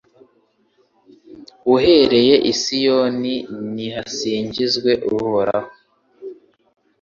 Uhereye i Siyoni nihasingizwe Uhoraho